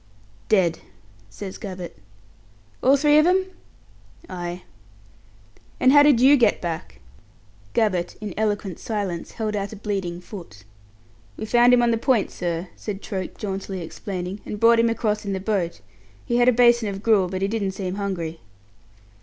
"Dead," says Gabbett. "All three of them?" "Ay." "And how did you get back?" Gabbett, in eloquent silence, held out a bleeding foot. "We found him on the point, sir," said Troke, jauntily explaining, "and brought him across in the boat. He had a basin of gruel, but he didn't seem hungry."